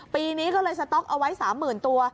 ปีนี้ก็เลยสต๊อกเอาไว้๓๐๐๐ตัว